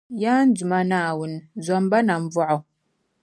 Yaa n Duuma Naawuni, zom ba nambɔɣu.